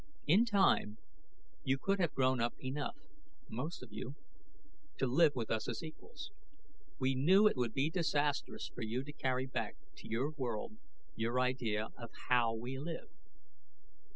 In time you could have grown up enough most of you to live with us as equals. We knew it would be disastrous for you to carry back to your world your idea of how we live.